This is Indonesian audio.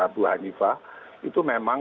bu hanifah itu memang